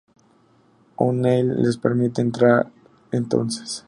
O'Neill les permite entrar entonces.